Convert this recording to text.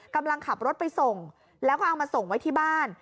กำลังขับรถไปส่งแล้วก็เอามาส่งไว้ที่บ้าน